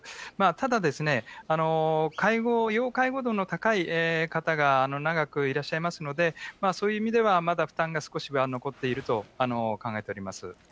ただ、要介護度の高い方が長くいらっしゃいますので、そういう意味では、まだ負担が少しは残っていると考えております。